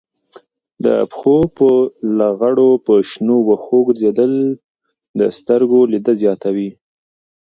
د پښو په لغړو په شنو وښو ګرځېدل د سترګو لید زیاتوي.